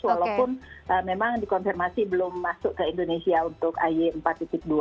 walaupun memang dikonfirmasi belum masuk ke indonesia untuk ay empat dua